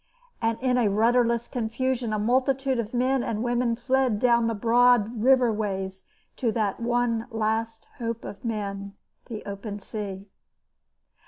And in a rudderless confusion a multitude of men and women fled down the broad river ways to that one last hope of men the open sea.